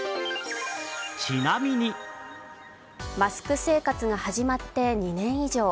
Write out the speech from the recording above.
マスク生活が始まって２年以上。